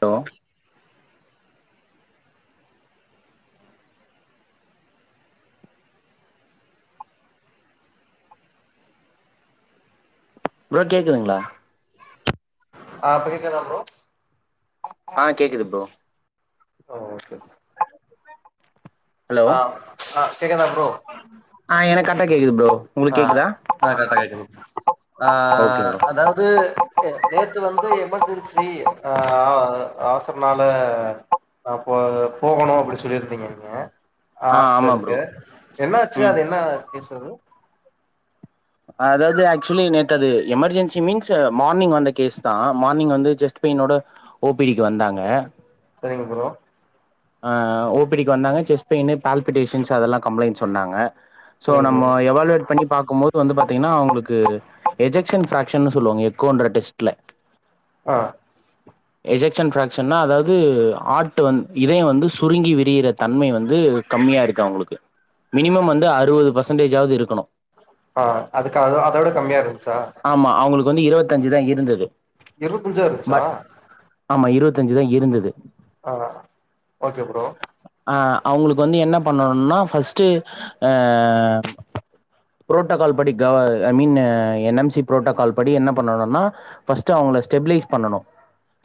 Hello bro கேக்குதுங்களா ஆ அப்ப கேக்குதா ப்ரோ ஆ கேக்குது ப்ரோ ஓ ஓகே ஹலோ அ அ கேக்குதா ப்ரோ என்ன கேக்குது ப்ரோ உங்களுக்கு அ கேக்குதா ஓகே ப்ரோ அதாவது நேத்து வந் எமர்ஜென்சி அ அவசரனால அ‌ போ போகணு அப்டின்னு சொல்லிருந்தீங்க நீங்க அ ஆ ஆமா ப்ரோ ஹாஸ்பிட்டலுக்கு என்ன ஆச்சு ம் அது என்ன [unintelligible] அதாவது ஆக்சுவலி நேத்தது எமர்ஜென்சி மீன்ஸ்சு மார்னிங் வந்த கேஸ் தா மார்னிங் வந்து செஸ்ட் பெயினோட ஓபிக்கு வந்தாங்க சரிங்க ப்ரோ அ ஓபடிக்கு வந்தாங்க செஸ்ட் பெயினு பால்பிடேஷன்ஸ் அதெல்லா கம்ப்ளைண்ட்ஸ் சொன்னாங்க சோ சரிங்க ப்ரோ நம்ம எவால்வேட் பண்ணி பாக்கும் போது வந்து பாத்தீங்ன்னா அவுங்களுக்கு தத்து எஜெக்ஷன் ஃபிராக்ஷன் சொல்லுவாங்க எக்கோன்ற டெஸ்ட்ல அ எஜெகஷன் ஃப்ராக்ஷன்னா அதாவது ஆ்ட் வந்து இதையும் வந்து சுருங்கி விரியிற தன்மை வந்து கம்மியா இருக்கு அவுங்களுக்கு மினிமம் வந்து அறுபது பெர்சன்டேஜாவது இருக்கணு அ அதுக்கு அ அதோட கம்மியா இரு ஆமா அவுங்களுக்கு வந்து இருபத்தஞ்சு தா இருந்தது [unintelligible] அயிடுச்சா பட் ஆமா இருவத்தஞ் சு தா இருந்தது ஓகே ப்ரோ அ அவுங்களுக்கு வந்து என்ன பண்ணோன்னா ஃபஸ்ட்டு புரோட்டோகால் படி கவ் ஐ மீன்னு என்னம்ஸ் சி புரோட்டோக்கால் படி என்ன பண்ணணுன்னா ஃபஸ்ட்டு அவுங்க ஸ்டெபிலைஸ் பண்ணனு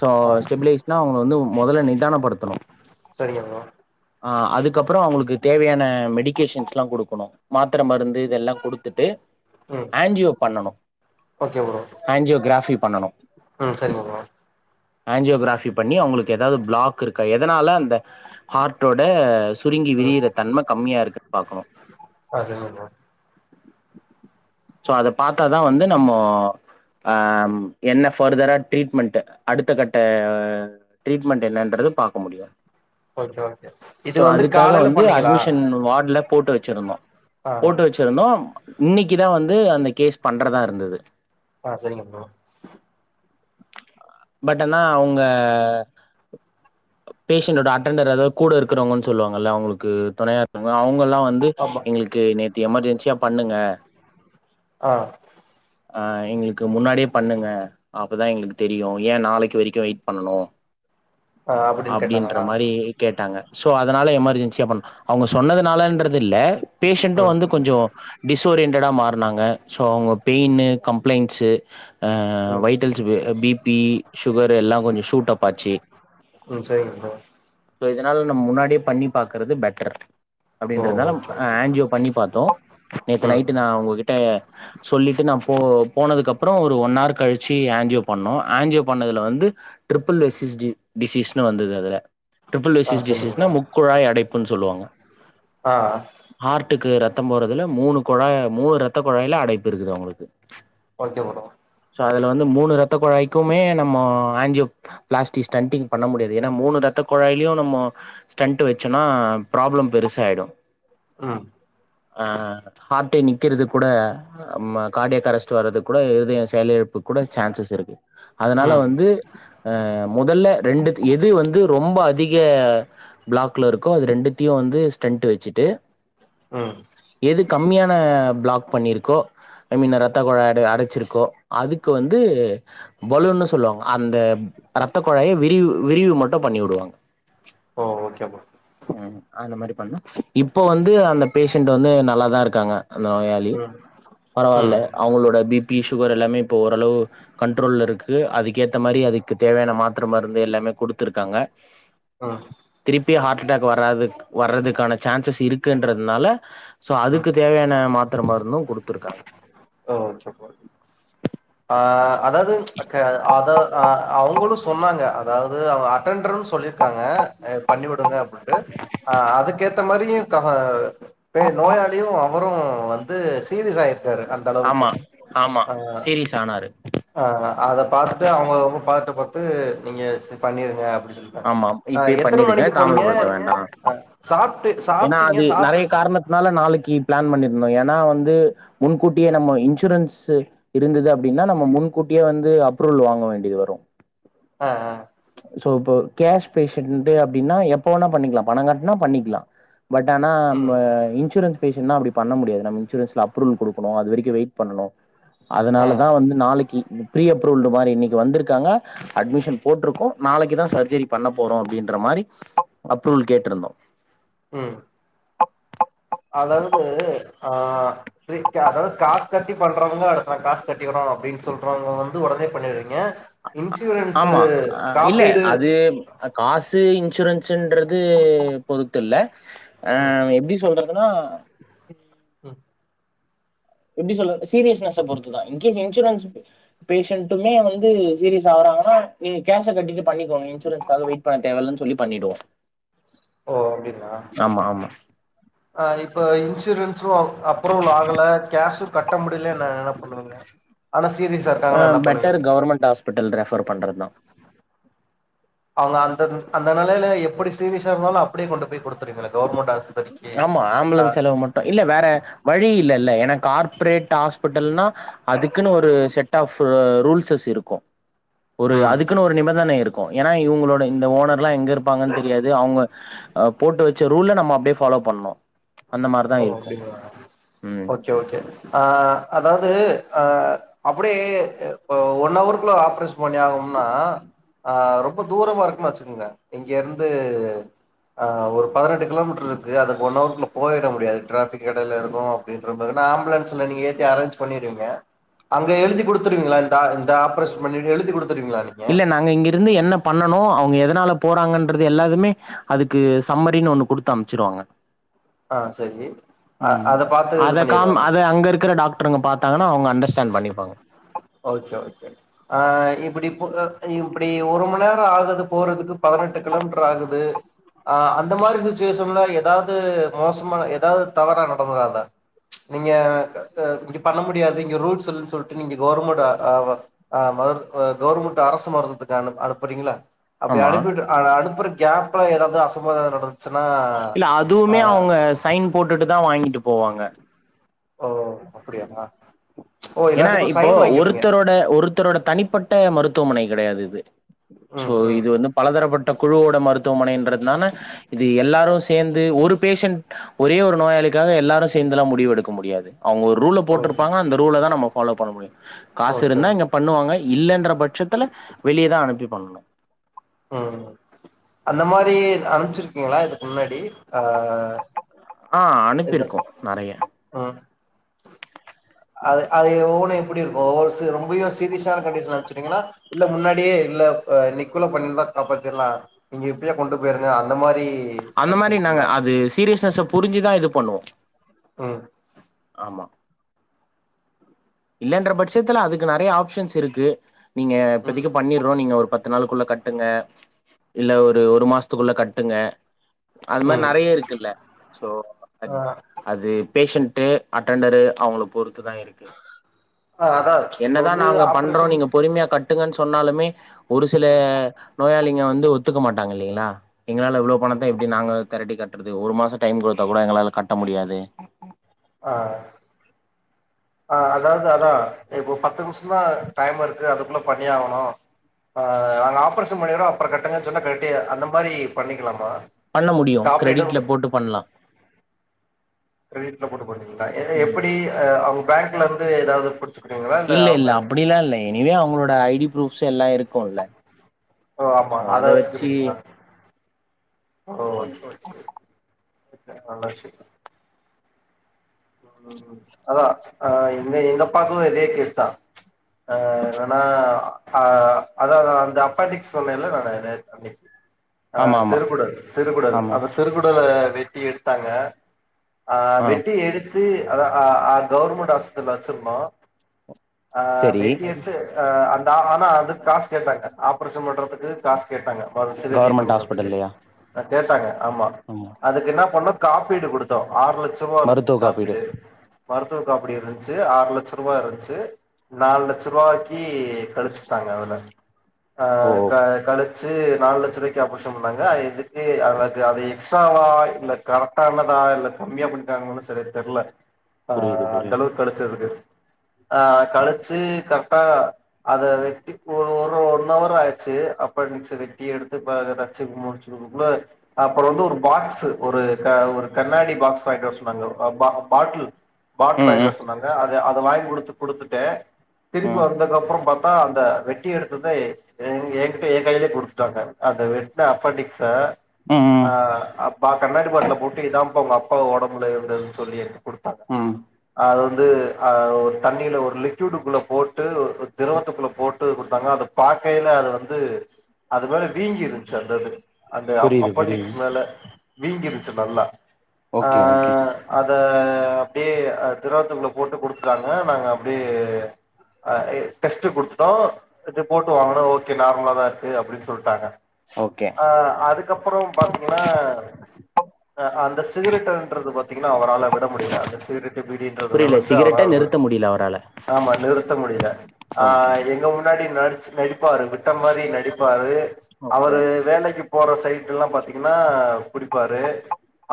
சோ ஆ ஸ்டெபிலேஸ்னா அவுங்க வந்து மொதல்ல நிதானப் படுத்தணு சரிங்கண்ணா அ அதுக்கப்புறோ அவுங்களுக்கு தேவையான மெடிகேஷன்ஸ்ல்லா குடுக்கணு மாத்துர மருந்து இதெல்லா குடுத்துட்டு ம் ஆன்ஜியோ பண்ணணு ஓகே ப்ரோ கிராஃபி பண்ணணு உம் சரிங்கண்ணா ஆன்ஜியோகிராபி பண்ணி அவுங்களுக்கு ஏதாவது பிளாக் இருக்கா எதனால அந்த ஹார்ட்டோட சுருங்கி ம் விரியிற தன்ம கம்மியாருக்கு பாக்கணு அது ப்ரோ சோ அத பாத்தாதா வந்து நம்மோ அ எ என்ன ஃபர்தரா ட்ரீட்மெண்ட் அடுத்த கட்ட ட்ரீட்மெண்ட் என்னன்றது பாக்க முடியு ஓகே ஓகே இது சோ வந்து அதுக்காக காலையில வந்து பண்ணீங்களா அட்மிஷன் வார்ட்ல போட்டு வச் செருண்ணா ஆ போட்டு வச்சிருந்தோம் இன்னைக்கி இத வந்து அந்த கேஸ் பண்றதா இருந்தது ஆஹ் சரிங்க ப்ரோ பட் ஆனா அவங்க பேஷண்டோட அட்டண்டர் அதாவது கூட இருக்கறவங்கன்னு சொல்லுவாங்கல்ல அவங்களுக்கு தொணையா [unintelligible] அவங்க எல்லா வந்து ஆமா எங்களுக்கு நேத்தி எமர்ஜென்சியா பண்ணுங்க ஆஹ் ஆ எங்களுக்கு முன்னாடியே பண்ணுங்க அப்பதா எங்களுக்கு தெரியு ஏ நாளைக் கு வரைக்கு வெயிட் பண்ணனு ஆ அப்டின்னு அப்படின்ற கேட்டாரா மாரி கேட்டாங்க சோ அதனால எமர்ஜென்சி பண்ணா அவங்க சொன்னதுனாலன்றது இல்ல பேஷண்டு ம் வந்து கொஞ்சோ டிஸ்சோரியன்ட் டடா மாறுனாங்கோ சோ அவங்க பெயினு காம்ப்ளைன்சு ஹ ம் வைட்டல்ஸ் ப் பிபி சுகர் எல்லா கொஞ்சோ ஷூட் அப் ஆச்சு ம் சரிங்க ப்ரோ சோ இதனால நம்ம முன்னாடியே பண்ணி பாக்கறது பெட்டர் ஓ அப்படின்றதால ஓகே ஓகே ஆன்ஜியோ பண்ணி பாத்தோ நேத்து ம் நைட் உங்ககிட்ட சொல்லிட்டு நா போ போனதுக்கப்புறோ ஒரு ஒன் ஹர் கழிச்சு ஆன்ஜியோ பண்ணோ ஆன்ஜியோ பண்ணதுல வந்து டிரிபிள்விஸ்சிஸ் டி டிசீஸ்னு வந்தது அதுல ஆ ட்ரிபிள்விஸ்சிஸ் சரிங்க டிசீஸ்னா ப்ரோ முக்குழாய் அடைப்புன்னு சொல்லுவாங்க ஆ ஹார்டுக்கு ரத் தம் போறதில்ல மூணு குழாய மூணு ரத்த குழாய்ல அடைப்பு இருக்குது அவங்களுக்கு ஓகே ப்ரோ ஸோ அதுல வந்து மூணு ரத்தக் குழாய்க்குமே நம்மோ ஆன்ஜியோ பிளாஸ்டிக் ஸ்டன்டிங் பண்ண முடியாது ஏனா மூணு ரத்த குழாய்லியு நம்மோ ஸ்டன்ட் வச்சோனா ப்ராப்ளம் பெருசாயிடு. ஆ ஆஹ் ஹார்ட்டே நிக்கிறது கூட ம்ம கார்டியாக்கரஸ்ட் வர்றது கூட இதயோ செயல் இழப் புக்கூட சான்சஸ் இருக்கு அதனால ம் வந்து அ முதல்ல ரெண்டு எது வந்து ரொம்ப அதிக பிளாக்கில இருக்கோ அது ரெண்டுத்தையு வந்து ஸ்டன்டு வச்சுட்டு உம் எது கம்மியான பிளாக் பண்ணிருக்கோ ஐ மீன் ரத்தகுழ அட அடைச்சிருக்கோ அதுக்கு வந்து பலூன் சொல்லுவாங்க அந்த ரத்த குழாய்ய விரி விரிவு மட்டு பண்ணி விடுவாங்க ஓ ஓகே ப்ரோ ம் அந்த மாரி பண்ணலா இப்ப வந்து அந்த பேஷண்ட் வந்து நல்லாதா இருக்காங்க அந்த நோயாளி ம் பரவால்ல ம் அவங்களோட பிபி சுகர் எல்லாமே இப்ப ஓரளவு கண்ட்ரோல்ல இருக்கு அதுக்கேத்த மாரி அதுக்கு தேவையான மாத்தர மருந்து எல்லாமே குடுத்துருக்காங்க ஆ பி ஹாட் அட்டாக் வராதுக் வரதுக்கான சான்சஸ் இருக்குன்றதுனால சோ ம் அதுக்கு தேவையான மாத்திர, மருந்தும் குடுத்துருக்காங்க. ஓகே [unintelligible] ஆ அதாது க்க அத ஆ அவங்களு சொன்னாங்க அதாவது அவங்க அட்டண்டர்னு சொல்லிருக்காங்க பண்ணிவிடுங்க அப்டின்ட்டு ஆ அதுக்கேத்த மாரியு இருக்காங்க நோயாளியு அவரு வந்து சீரியஸ் ஆய் டாரு அந்த அளவுக்கு ஆமா, ஆமா. ஆ சீரியஸ் ஆனாரு. ஆ அத பாத்துட்டு அவுங்க ரொம்ப பதட்டபட் இது நீங்க பண்ணீருங்க அப்டின் ஆமா. ஆ இப்பயே எத்தன பண்ணிடுங்க. மணிக்கு போனீங்க தாமதப்படுத்த ஆமாங்க. வேண்டாம். ஆ சாப்டு சாப்டீங்க சாப்ட துனால நாளைக்கி பிளான் பண்ணிருந்தோ ஏன்னா வந்து முன்கூட்டியே நம்ம இன்சூரன்ஸ் இது இருந்தது அப்டின்னா நம்ம முன்கூட்டியே வந்து அப்ரூவல் வாங்க வேண்டியது வரும் ஆ ஆ சோ இப்போ கேஷ் பேசண்ட்டூ அப்டின்னா எப்ப வேணா பண்ணிக்கலா பணோ கட்டுனா பண்ணிக்கலா பட் ஆனா நம்ப ம் ஆ இன்சூரன்ஸ் பேஷன்ட்னா அப்டி பண்ண முடியாது நம்ம இன்சூரன்ஸ்ல அப்ரூவல் குடுக்கணு அது வெரிக்கோ வெயிட் பண்ணனு ஆ அதனாலதா வந்து நாளைக்கி ப்ரீ அப்ரூவல்டு மாரி இன்னக்கி வந்திருக்காங்க அட்மிஷன் போட்ருக்கோ நாளைக்கி தா சர்ஜரி பண்ண போறோ அப்டின்ற மாரி அப்ரூவல் கேட்ருந்தோ ம் அதாவது ஆ ப்ரீ கா அதாது காசு கட்டி பண்றவங்க அடுத்து நா காசு கட்டிக்கிறோ அப்டின்னு சொல்றவங்க வந்து உடனே பண்ணிட்றீங்க ஆமா ஆ இல்ல அது காசு இங் இன்சூரன்ஸ் இன்றது பொருத்து இல்ல ம் ஆஹ் எப்டி சொல்ற ன்னா ம் எப்டி சொல்ல சீரியஸ்னஸ பொறுத்துதா இன்கேஸ் இன்சூரன்ஸ் பேசெண்ட்டுமே வந்து சீரியஸ் ஆகுறாங்கன்னா நீங்க கேஷ கட்டிட்டு பண்ணிக்கோங்க இன்சூரன்ஸ்க்காக வெயிட் பண்ண தேவயில்லன்னு சொல்லி பண்ணிடுவோ ஓ அப்டின்னா ஆமா ஆமா ஆஹ் இப்ப இன்சூரன்ஸ் சோ அப்ரூவல் ஆகல கேஷு கட்ட முடிலன்னா என்ன பண்ணுவீங்க ஆனா சீரிஸா ஆ இருக்காங்கன்னா என்ன பெட்டர் பண்ணுவீங்க கவர்மெண்ட் ஹாஸ்பிட்டல் ரெஃபர் பண்றதுதா அவங்க அந்த அந்த நெலைல எப்படி சீரியஸ்ஷா இருந்தாலு அப்டியே கொண்டு போய் கொடுத்ருவீங்களா கவர்மெண்ட் ஆஸ்பத்திரிக்கு ஆமா ஆ ஆம்புலன்ஸ் செலவு மட்டும் இல்ல வேற வழி இல்ல இல்ல ஏன்னா கார்ப்ரேட் ஹாஸ்பிட்டல்னா அதுக்குன்னு ஒரு செட் ஆஃப் ப்ப ரூல்ஸஸ் இருக்கும் ஒரு ம் அதுக்குன்னு ஒரு நிபந்தனே இருக் ஏன்னா இவங்களோட இந்த ஓனர்லாம் எங்க இருப்பாங்கன்னு தெரியாது அவங்க போட்டு வச்ச ரூல்ல நம்ம அப்படியே ஃபா ஃபாலோ பண்ணும் ஓ அப்டிங்களா ம் ஓக்கே ஓக்கே ஆஹ் அதாவ்து ஆஹ் அப் பே ஒன்ஹௌர்குள்ள ஆப்ரேஷன் பண்ணி ஆகணும்னா ஹ ரொம்ப தூரமா இருக்குமாச்சுங்ளே இங்க இருந்து ஒரு பதினெட்டு கிலோமீட்டர் இருக்கு அதுக்கு ஒன் ஹவர்குள்ள போயிட முடியாது டிராபிக் எடைல இருக்கு அப்படின்ட்டுருந்தாங்க நா ஆம்புலன்ஸ்ல நீங்க ஏத்தி அரேஞ்ச் பண்ணிருவீங்க அங்க எழுதி குடுத்துருவீங்ளா இந்த இந்த ஆப்ரேஷன் பண்ணி எழுதி குடு இல்ல நாங்க இங்கிருந்து என்ன பண்ணனு அவுங்க எதனால போறாங்கன்றது எல்லாதுமே அதுக்கு சம்மரினு ஒண்ணு குடுத்து து அமுச்சுருவாங்க ஆ சரி அ உம் அத பாத்து இது அத கா பண்ணிருவாங்க அத அங்க இருக்க டாக்டர் பாத்தாங்கன்னா அவுங்க அண்டர்ஸ் ஸ்டாண்ட் பண்ணிப்பாங்க இப்போ அ இப்படி ஒரு மண் நேரோ ஆகுது போறதுக்கு பதினெட்டு கிலோமீட்டர் ஆகுது ஹ அந்த மாரி சிச்சுவேஷன்ல எதாவது மோசமா எதாவது தவறா நடந்துறாதா ப்ச் நீங்க இ பண்ண முடியாது இங்க ரூல்ஸ் இல்ல சொல்ட்டு நீங்க கவர்மெண்ட் ஹ் மரு கவர்மெண்ட் அரசு மருந்துதுக்கு அனு அனுப்பறீங்கள்ள அப்படி ஆமா. அனுப்பிட்டு அ அனுப்பரு கேப்ல எதாவது அசம்பா விதம் நடந் இல்ல அதுமே அவங்க சைன் போட்டுட்டுதா வாங்கிட்டு போவாங்க ஓ அப்படியா ஏனா இப்போ ஒருத்தரோட ஒருத்தரோட தனிப்பட்ட மருத் துவமனை கெடையாது இது சோ ம் ம் இது வந்து பலதரப்பட்ட குழுவோட மருத்துவமனை என்ற நாணு இது எல்லாரும் சே சேர்ந்து ஒரு பேஷண்ட் ஒரே ஒரு நோயாளிக்காக எல்லாரு சேர்ந்தெல்லா முடிவு எடுக்க முடியாது அவங்க ஒரு ரூல ஓ போட்ருப்பாங்க அந்த ரூல தா ஃபாலோ பண்ண முடியு காசு ஓகே இருந்தா இங்க ஓகே பண்ணுவாங்க இல்லன்ற பட்சத்துல வெளியதா அனுப்பி பண்ணனு உம் அந்த மாரி அனுப்ச்சி ருக்கீங்ளா இதுக்கு முன்னாடி ஆஹ் ஆஹ் அனுப்பிருக்கோ நெறய ம் அது அது ஒவ்வொன்னு எப்படி இருக்கு ஒவ்வொரு சீ ரொம்பயு சீரியஸான கண்டிஷன்ல அனுப்பிச்சுவிட்டீங்கன்னா இல்ல முன்னாடியே இல்ல இன்னைக்குள்ள பண்ணிருந்தா காப்பாத்திர்லா நீங்க எப்படியோ கொண்டு போயிருங்க அந்த மாரி அந்த மாரி நாங்க அனுப்ச்சிருக்கீங்களா அது சீரியஸ்னஸ புரிஞ்சுதா இது பண்ணுவோ உம் ஆமா இல்லன்ற பட்சத்துல அதுக்கு நெறயா ஆபஷன்ஸ் இருக்கு நீங்க ம் இப்பதைக்கு பண்ணிருறோ நீங்க ஒரு பத்து பத்து நாளுக்குள்ள கட்டுங்க இல்ல ஒரு ஒரு மாசத்துக்குள்ள கட்டுங்க அது மாரி ம் நிறைய இருக்குல்ல சோ ஆ அது அது பேஷண்ட்டு அட்டண்டரு அவங்கள பொறுத்து தான் இருக்கு ஆ அதா இப்ப என்னதான் வந்து நாங்க பண்றோம் ஆப்ரேஷன் நீங்க பொறுமையா கட்டுங்கன்னு சொ சொன்னாலுமே ஒரு சில ம் நோயாளி ங்க வந்து ஒத்துக்க மாட்டாங்க இல்லலைங்களா எங்களால இவ்ளோ பணத்த ம் எப்டி நாங்க திரட்டி கட் கது ஒரு மாசம் டைம் கொடுத்தா கூட எங்களால கட்ட முடியாது ஆ ஆ அதாவது அதான் இப்போ பத்துக்கு டைம் இருக்கு அதுக்குள்ள பண்ணிய ஆகணும் ஆ நாங்க ஆப்ரேஷன் பண்ணிரோம் அப்பறம் கட்டுங்க சொல்லி அந்த மாரி பண்ணிக்கலாம பண்ண முடியும் கிரெடிட்ல போட்டு பண்லாம் [inaudible] எப்படி அவங்க பேங்க் இருந்து ஏதாவது பு இல்ல இல்ல அப்படிலாம் இல்ல எனிவே அவங்களோட ஐடி ப்ரூப்ஸ் எல்லாம் இருக்கு லா ஓ ஆமா அதா வச்சுக்குறீங்களா [unintelligible] இ நல்ல விஷய ம் ம் அதான் ஆ எங்க எங்க அப்பாக்கும் இதே கேஸ் தான் ஆ ஆனா ஆ அதான் அந்த அப்பண்டிக்ஸ் சொன்னல்ல நானு நேத் அன்னைக்கு ஆ ஆமா ஆமா சிருகுடல் சிருகுடல் ஆமா அந்த சிருகுடல வெட்டி எடுத்தாங்க ஆ வெட்டி எடுக் [unintelligible] ஆ கவுவர்மெண்டட் ஹாஸ்பத்திர வச்சிருந்தோம் ஆ சரி வெட்டி எடுத்து ஆ அந்த ஆனா அதுக்கு காசு கேட்டாங்க ஆப்ரஷன் பண்றதுக்கு இதுக்கு காசு கேட்டாங்க சிகிச்சை கவர்மெண்ட் பண்றதுக்கு ஹாஸ்பிட்டல்லையா கேட்டாங்க ஆமா அதுக்கு என்ன பண்ணோம் காப்பீடு கொடுத்தோம் ஆறு லட்சம் ரூபா இருந்துச்சு காப்பீடு மருத்துவ காப்பீடு இருந்துச்சு ஆறு லட்ச ரூபாய் இருந்துச்சு நாலு லட்ச ரூபாய்க்கி கழிச்சிட்டாங்க அதுல ஓ அஹ் க [unintelligible] சேய் நாலு லட்ச ரூவாய்க்கு ஆப்ரஷன் பன்னாங்க எதுக்கு [unintelligible] அது எக்ஸ்ட்வா இல்ல கரெக்டானதா இல்ல கம்மியா பண்ணிட்டாங்களானு சரியா தெரில புரியுது ஆஹ் அந்த புரியுது அளவுக்கு கெடச்சதுக்கு ஆஹ் கழிச்சு கரெக்டா அத வெட்டி ஒரு ஒரு ஒன் அவர் ஆயிடுச்சு அப்ப மிச்ச வெட்டி எடுத்து வச்சு முடிச்சுதுக்குள்ள அப்புறம் வந்து ஒரு பாக்ஸு ஒரு க ஒரு கண்ணாடி பாக்ஸ் வாங்கிட்டு வர சொன்னாங்க பாட்டில் பாட்டில் ம் வாங்கிட்டு வர ம் சொன்னாங்க அது அதை வாங்கி குடுத்து குடுத்துட்டேன் திருப்பி ம் வந்ததுக்கு அப்புறம் பா அந்த வெட்டி எடுத்தத என்கிட்ட என் கையிலயே குடுத்துட்டாங்க அந்த வெட்ன அப்பென்டிக்ச ம் ம் ஆஹ் அப்பா கண்ணாடிபாட்டில்ல போட்டு இத உங்க அப்பா ஓடம்புல இருந்தது சொல்லியிரேன் குடுத்தாங்க ம் அத அது ஒரு தண்ணியில ஒரு லிக்விடுக்குள்ள போட்டு திரவத்துக்குள்ள போட்டு குடுத்தாங்க அது பார்க்கையில அது வந்து அது மேல வீங்கி இருந்துச்சு அந்தது அந்த புரியுது புரியுது அப்பெண்டிக்ஸ் மேல வீங்கிருச்சு நல்லா ஓகே ஓகே ஆஹ் அத அப்டியே அஹ் திரவத்துக்குள்ள போட்டு குடுத்துட்டாங்க நாங்க அப்டியே எய அஹ் இ டெஸ்ட்டு குடுத்துட்டோ ரிப் ரிப்போர்ட்டு வாங்குன ஓகே நார்மலா தா இருக்கு அப்டின் சொல்ட்டாங்க ஓகே ஆஹ் அதுக்கப்பற பாத்தீங்னா அஹ் அந்த சிகுரெட்டுன்றது பாத் தீங்னா அவரால விட முடிய்ல அந்த சிகுரெட்டு பீடின்றது புரியல வளந்து சிகரெட்ட அவரால் அத நிறுத்த முடியல அவரால ஆமா நிறுத்த முடிய்ல ஓகே ஆஹ் எங்க முன்னாட் அஹ் நடிச்ச நடிப் ப்பாரு விட்ட மாரி நடிப்பாரு ஓகே அவரு வேலைக்கு போற சைட் எல்லா பாத்தீங்னா புடிப்பாரு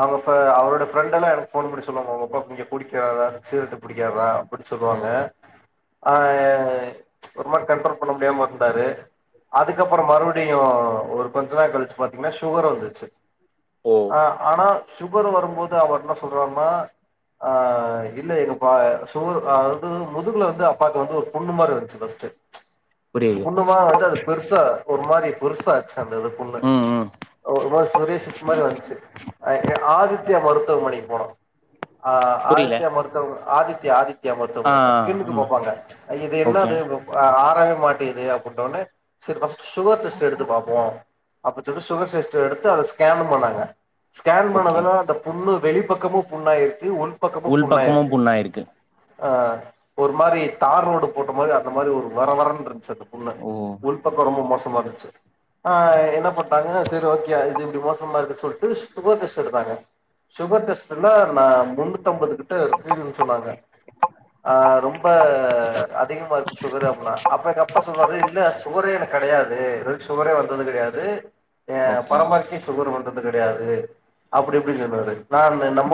அவ்ங்க க அவரு ஃப் ஃப்ரெண்டெல்லா எனக்கு ஃபோன் பண்ணி சொல்லுவாங்க ஒங்க அப்பா இங்கெ குடிக்கிறார்ரா சீகுரெட்டு புடிக்கிறார்ரா அப்படி சொல்வாங்க ம் ஆஹ் ஒரு மாரி கண்ட்ரோல் பண்ண முடியாம இருந்தாரு அதுக்கப்பற மறுபடியு ஒரு கொஞ்ச நாள் கழிச்சு பா்த்தீங்னா ஷுகர் வந்துருச்சு ஓ ஆஹ் ஆனா ஷுகர் வரும்போது அவர் என்ன சொல்றருனா ஆஹ் இல்ல எங்க பா சு அதாவது முதுகுல வந்து அப்பாக்கு வந்து ஒரு புண்ணு மாரி வந்துச்சி ஃபஸ்ட்டு புரியுது புண்ணுவ வந்து அது பெருசா ஒரு மாரி பெருசாச்சு அந்தது புண்ணு ம் ம் ஒரு மாரி சொரியாசிஸ் மாரி வந்துச்சு ஆதி மருத்துவமனைக்கு போனோ ஆஹ் புரியல ஆதித்தியா மருத்தவ ஆதித்யா ஆதித் தித்யா ஆ மருத்துவமனை ஸ்கின்னுக்கு ஆமா பாப்பாங்க இது ஓகே என்னது ஆ றவே மாட்டிகிது அப்டின்ன ஒடனே [unintelligible] சுகர் டெஸ்ட் எடுத்து பாப்போ அப்போ [unintelligible] சுகர் டெஸ்ட் எடுத்து அத ஸ்கேன்னும் பண்ணாங்க ஸ்கேன் ஓகே பண்ணதாலா அந்த வெளிப்பக்கமும் புண்ணாயி உள் பக்கமும் புண்ணாயிருக்கு ஆஹ் ஒரு மாரி தார் ரோடு போட்ட மாரி அந்த மாரி ஒரு வரவரன்னு இருந்துச்சி அந்த புண்ணு ஓ உள் பக்கம் ரொம்ப மோசம் [unintelligible] ஆஹ் என்ன பான்டாங்க சேரி ஓகோ அது இப்டி மோசமா இருக்கு சொல்டு சுகர் டெஸ்ட் எடுத்தாங்க சுகர் டெஸ்ட்ல நா முன்னூத்தம்பது சொல்டு [unintelligible] சொன்னாங்க அ ரொம்ப அதிகமா இருக்கு சுகரு அப்ப எங்க அப்பா சொன்னாரு இல்ல சுகரே எனக்கு கெடையாது சுகரே வந்தது கெடையாது ஏயா ஓகே பரம்பரைக்கே சுகர் வந் வந்தது கிடையாது அப்டி அப்டி சொன்னாரு நா அந்த நம்ப